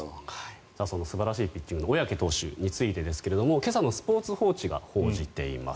その素晴らしいピッチングの小宅投手についてですが今朝のスポーツ報知が報じています。